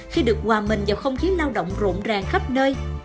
khi được hòa mình vào không khí lao động rộn ràng khắp nơi